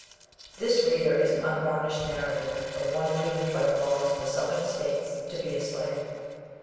This, reader, is an unvarnished narrative of one doomed by the laws of the Southern States to be a slave.